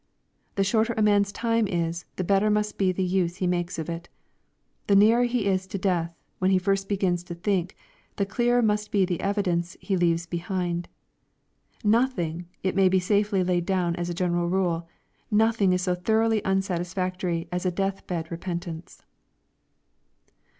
The shorter a man's time is, the better must be the use he makes of it. The nearer he is to death, when he first begins to think, the clearer must be the evidence he leaves behind. Nothing, it may be safely laid down as a general rule, nothing is so thoroughly unsatisfactory as a death bed repentance.